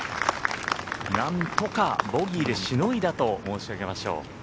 何とかボギーでしのいだと申し上げましょう。